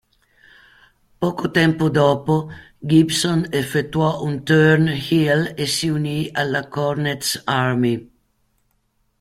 Poco tempo dopo, Gibson effettuò un turn heel e si unì alla "Cornette's Army".